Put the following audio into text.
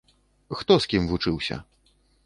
Хто з кім вучыўся?